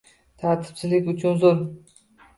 Tartibsizlik uchun uzr.